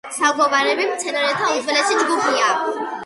საგოვანები მცენარეთა უძველესი ჯგუფია.